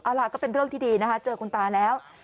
เอาล่ะก็เป็นเรื่องที่ดีนะคะเจอคุณตาแล้ว